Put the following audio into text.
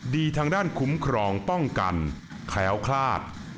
ดีทางด้านขุมครองป้องกันแขว้ขลาด